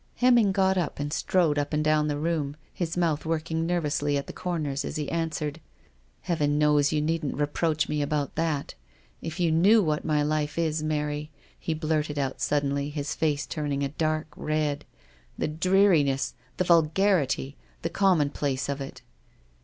Hemming got up and strode up and down the room, his mouth working nervously at the corners as he answered: "Heaven knows you needn't reproach me about that. If you knew what my life is, Mary," he blurted out suddenly, his face turning a dark red, " the dreariness, the vul garity, the commonplace of it."